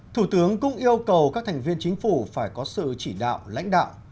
thủ tướng cũng yêu cầu các thành viên chính phủ phải có sự chỉ đạo lãnh đạo